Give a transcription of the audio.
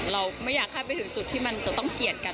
เราไม่อยากให้ไปถึงจุดที่มันจะต้องเกลียดกัน